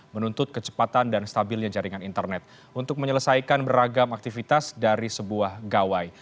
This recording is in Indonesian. menuntut kecepatan dan stabilnya jaringan internet untuk menyelesaikan beragam aktivitas dari sebuah gawai